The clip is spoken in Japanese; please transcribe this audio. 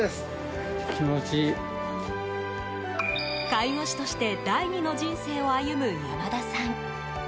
介護士として第２の人生を歩む山田さん。